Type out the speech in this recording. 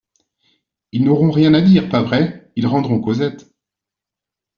Ils n'auront rien à dire, pas vrai ? Ils rendront Cosette.